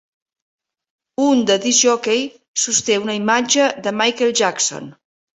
Un de discjòquei sosté una imatge de Michael Jackson.